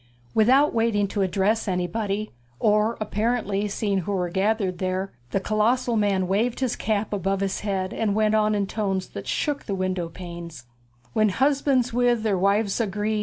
Without waiting to address anybody, or apparently seeing who were gathered there, the colossal man waved his cap above his head and went on in tones that shook the window panes: When hus' bands with' their wives' agree'.